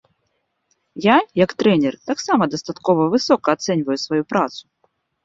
Я як трэнер таксама дастаткова высока ацэньваю сваю працу.